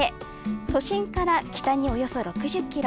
都心から北におよそ６０ｋｍ。